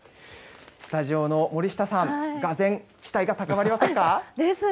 スタジオの森下さん、がぜん、期待が高まりませんか。ですね。